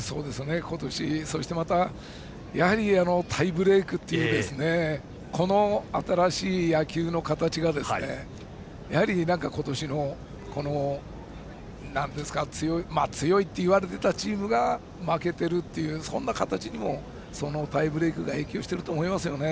今年、やはりまたタイブレークというこの新しい野球の形が今年の強いといわれていたチームが負けているというそんな形にもタイブレークが影響していると思いますね。